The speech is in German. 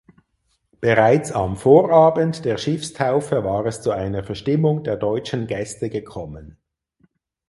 Bereits am Vorabend der Schiffstaufe war es zu einer Verstimmung der deutschen Gäste gekommen.